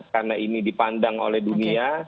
karena ini dipandang oleh dunia